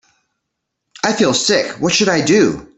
I feel sick, what should I do?